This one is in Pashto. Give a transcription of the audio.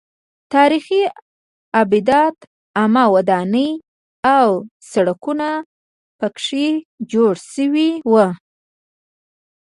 تاریخي ابدات عامه ودانۍ او سړکونه پکې جوړ شوي وو.